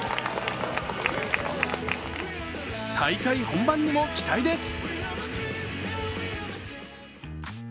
大会本番にも期待です。